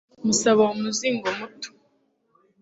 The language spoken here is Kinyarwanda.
musaba uwo muzingo muto